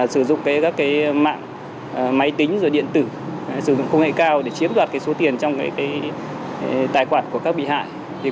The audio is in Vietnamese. sử dụng các mạng máy tính rồi điện tử sử dụng công nghệ cao để chiếm đoạt số tiền trong tài khoản của các bị hại